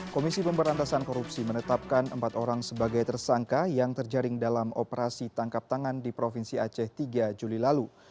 komisi pemberantasan korupsi menetapkan empat orang sebagai tersangka yang terjaring dalam operasi tangkap tangan di provinsi aceh tiga juli lalu